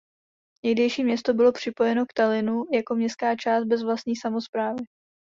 Někdejší město bylo připojeno k Tallinnu jako městská část bez vlastní samosprávy.